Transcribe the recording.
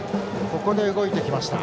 ここで動いてきました。